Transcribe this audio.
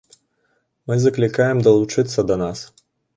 Мы заклікаем далучацца да нас.